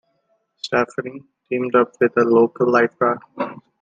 Stephanie teamed up with a local lifeguard.